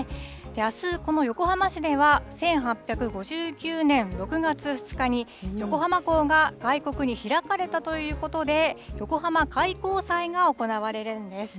あす、この横浜市では１８５９年６月２日に、横浜港が外国に開かれたということで、横浜開港祭が行われるんです。